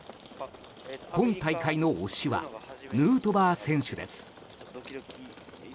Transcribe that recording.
今大会の推しはヌートバー選手です。